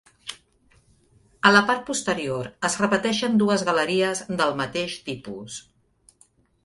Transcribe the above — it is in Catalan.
A la part posterior es repeteixen dues galeries del mateix tipus.